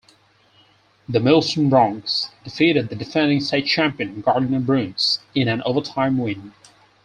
The Melstone Broncs defeated the defending state champion Gardiner Bruins in an overtime win.